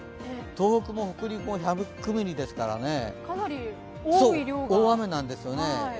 東北も北陸も１００ミリですからね大雨なんですよね。